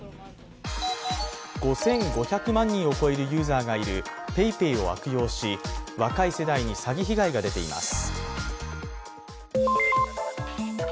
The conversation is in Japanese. ５５００万人を超えるユーザーがいるＰａｙＰａｙを悪用し若い世代に詐欺被害が出ています。